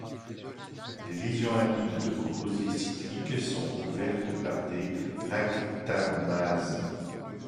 Les liaisons amide de composés cycliques sont ouvertes par des lactamases.